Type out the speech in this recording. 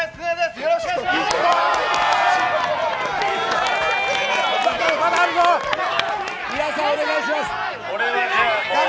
よろしくお願いします。